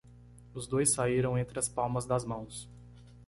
Os dois saíram entre as palmas das mãos.